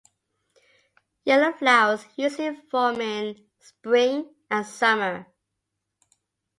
Yellow flowers usually form in spring and summer.